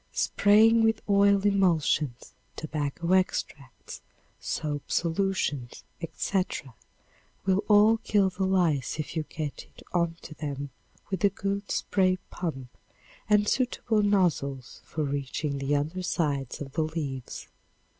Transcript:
Spraying with oil emulsions, tobacco extracts, soap solutions, etc., will all kill the lice if you get it onto them with a good spray pump and suitable nozzles for reaching the under sides of the leaves.